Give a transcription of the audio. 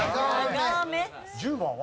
１０番は？